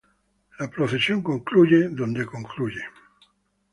La procesión concluye en la Ermita de San Cristóbal.